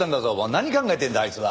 何考えてんだあいつは。